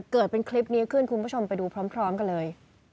เกิดเป็นคลิปนี้ขึ้นคุณผู้ชมไปดูพร้อมกันเลย